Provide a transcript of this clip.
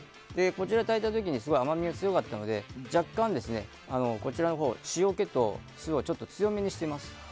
こちらを炊いた時にすごく甘みが強かったので若干、こちらのほうが塩気を強めにしています。